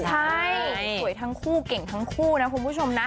ใช่สวยทั้งคู่เก่งทั้งคู่นะคุณผู้ชมนะ